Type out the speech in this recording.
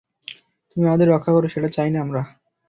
তুমি আমাদেরকে রক্ষা করো, সেটা চাই না আমরা।